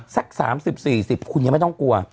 สัก๓๐๔๐คุณยังไม่ต้องกลัว